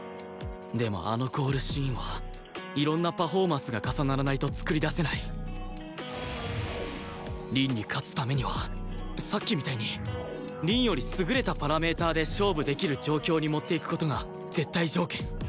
でもあのゴールシーンはいろんなパフォーマンスが重ならないと創り出せない凛に勝つためにはさっきみたいに凛より優れたパラメーターで勝負できる状況に持っていく事が絶対条件